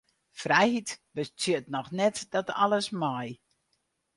Frijheid betsjut noch net dat alles mei.